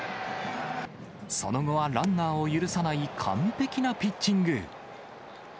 その後はランナーを許さない完璧なピッチング。